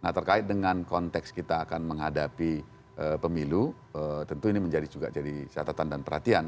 nah terkait dengan konteks kita akan menghadapi pemilu tentu ini juga jadi catatan dan perhatian